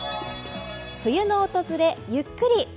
冬の訪れ、ゆっくり。